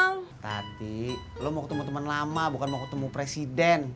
nanti lo mau ketemu temen lama bukan mau ketemu presiden